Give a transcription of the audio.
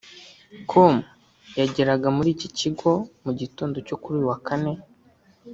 com yageraga muri iki kigo mu gitondo cyo kuri uyu wa Kane